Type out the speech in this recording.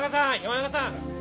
山中さん！